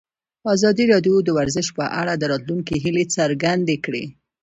ازادي راډیو د ورزش په اړه د راتلونکي هیلې څرګندې کړې.